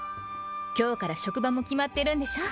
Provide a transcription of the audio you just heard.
今日から職場も決まってるんでしょ？